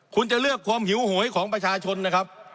คุณจะเลือกความหิวโหยของประชาชนนะครับ